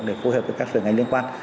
để phối hợp với các sở ngành liên quan